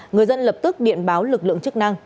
người dân lập tức điện báo lực lượng chức năng